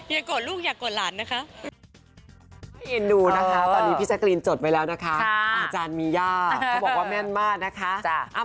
อย่ากดลูกอย่ากดหลานนะคะ